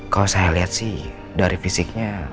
kalo saya liat sih dari fisiknya